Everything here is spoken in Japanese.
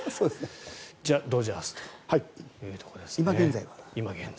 じゃあドジャースというところですね。